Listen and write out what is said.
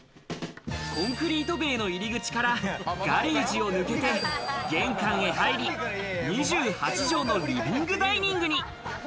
コンクリート塀の入口からガレージを抜けて玄関へ入り、２８帖のリビングダイニングに。